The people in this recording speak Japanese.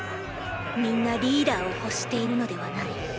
皆リーダーを欲しているのではない。